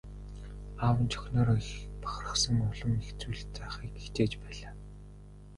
Аав нь ч охиноороо их бахархан улам их зүйл заахыг хичээж байлаа.